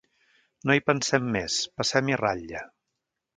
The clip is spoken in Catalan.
No hi pensem més: passem-hi ratlla.